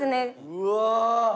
うわ！